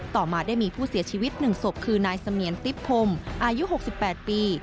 ต่อมาได้มีผู้เสียชีวิต๑ศพคือนายเสมียนติ๊บพรมอายุ๖๘ปี